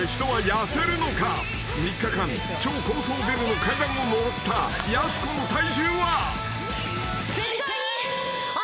［３日間超高層ビルの階段を上ったやす子の体重は？］